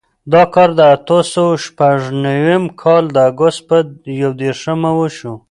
دا کار د اتو سوو شپږ نوېم کال د اګست په یودېرشم وشو.